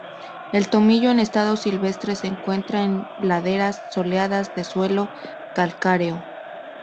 El tomillo en estado silvestre se encuentra en laderas soleadas de suelo calcáreo.